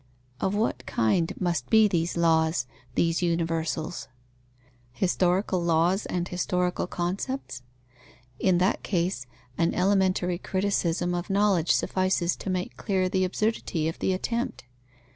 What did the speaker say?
Of what kind must be these laws, these universals? Historical laws and historical concepts? In that case, an elementary criticism of knowledge suffices to make clear the absurdity of the attempt.